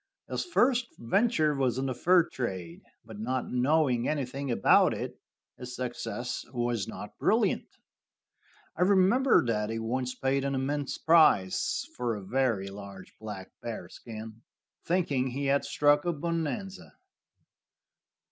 His first venture was in the fur trade, but not knowing anything about it, his success was not brilliant. I remember that he once paid an immense price for a very large black bearskin, thinking he had struck a bonanza.